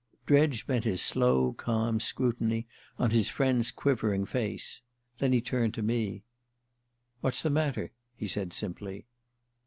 Dredge bent his slow calm scrutiny on his friend's quivering face; then he turned to me. "What's the matter?" he said simply.